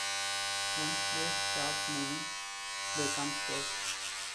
Once they start moving, they can't stop!